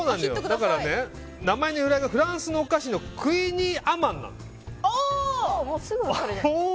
だからね、名前の由来がフランスのお菓子のクイニーアマンなの。